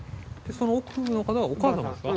その奥の方はお母様ですか。